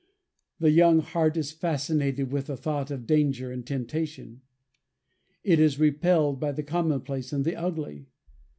The young heart is fascinated with the thought of danger and temptation. It is repelled by the commonplace and the ugly.